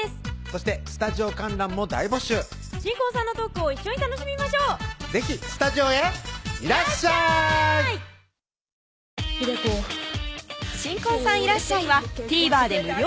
そしてスタジオ観覧も大募集新婚さんのトークを一緒に楽しみましょう是非スタジオへいらっしゃい新婚さんいらっしゃい！はＴＶｅｒ